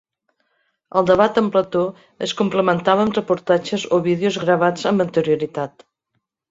El debat en plató es complementava amb reportatges o vídeos gravats amb anterioritat.